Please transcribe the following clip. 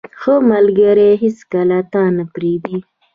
• ښه ملګری هیڅکله تا نه پرېږدي.